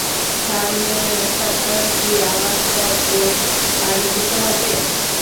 সামনে সপ্তাহে কি আবার টবে পানি দিতে হবে?